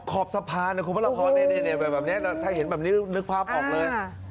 ขอบสะพานนะคุณพระราพรแบบนี้ถ้าเห็นแบบนี้นึกภาพออกเลย